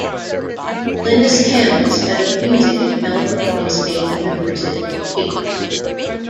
Glynnis Campbell studied music at California State University, Chico.